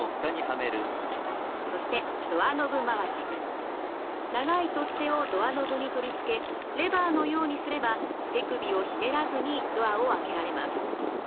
そして長い取っ手をドアノブに取り付けレバーのようにすれば手首をひねらずにドアを開けられます。